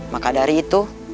maka dari itu